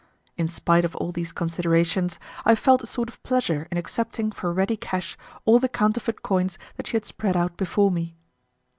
In spite of all these considerations, I felt a sort of pleasure in accepting for ready cash all the counterfeit coins that she had spread out before me.